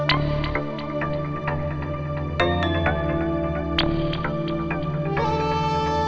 ampun rupanya class